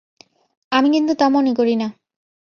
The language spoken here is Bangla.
আমি কিন্তু তা মনে করি না।